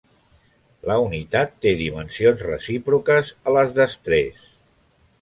La unitat té dimensions recíproques a les d'estrès.